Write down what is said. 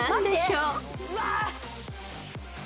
うわ！